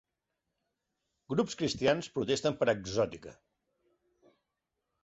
Grups cristians protesten per eXXXotica.